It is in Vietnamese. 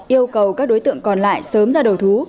yêu cầu các đối tượng còn lại sớm ra đầu thú